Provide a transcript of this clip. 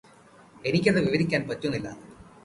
എനിക്കത് വിവരിക്കാന് പറ്റുന്നില്ല